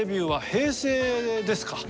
平成ですね。